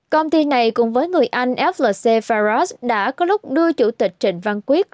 công ty này cùng với người anh flc faras đã có lúc đưa chủ tịch trịnh văn quyết